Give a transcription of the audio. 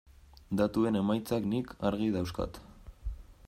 Datuen emaitzak nik argi dauzkat.